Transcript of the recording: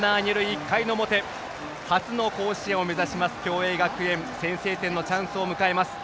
１回の表初の甲子園を目指します共栄学園先制点のチャンス迎えます。